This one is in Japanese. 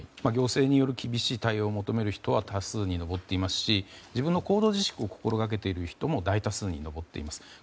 行政による厳しい対応を求める人は多数に上っていますし自分の行動自粛を心掛けている人も大多数に上っています。